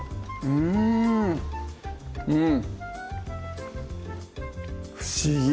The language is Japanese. うんうん